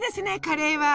カレーは。